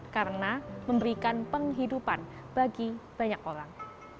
karena memberikan penghidupan bagi banyak orang